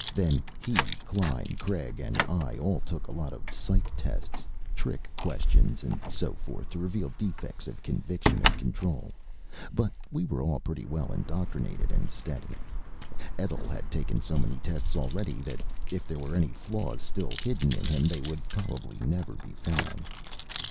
Then he, Klein, Craig and I all took a lot of psych tests trick questioning and so forth to reveal defects of conviction and control. But we were all pretty well indoctrinated and steady. Etl had taken so many tests already that, if there were any flaws still hidden in him, they would probably never be found.